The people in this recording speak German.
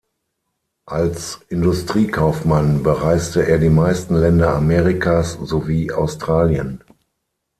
Als Industriekaufmann bereiste er die meisten Länder Amerikas sowie Australien.